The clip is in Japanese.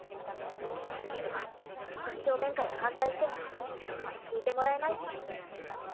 けど真正面から反対してもどうせ聞いてもらえないし